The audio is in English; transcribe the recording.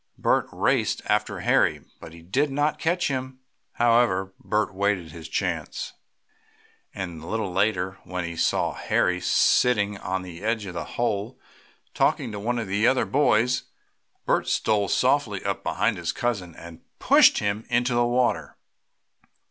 Bert raced after Harry but did not catch him. However, Bert waited his chance and a little later, when he saw Harry sitting on the edge of the hole, talking to one of the other boys, Bert stole softly up behind his cousin, and pushed him into the water.